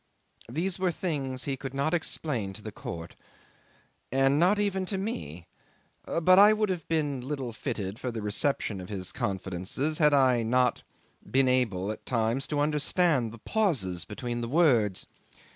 These were things he could not explain to the court and not even to me; but I would have been little fitted for the reception of his confidences had I not been able at times to understand the pauses between the words.